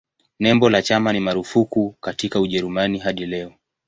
Nembo la chama ni marufuku katika Ujerumani hadi leo.